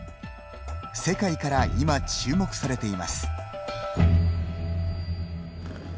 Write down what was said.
世界から今、注目されています。